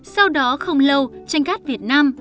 sau đó không lâu tranh cát việt nam